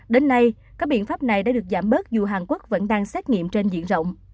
đến nay các biện pháp này đã được giảm bớt dù hàn quốc vẫn đang xét nghiệm trên diện rộng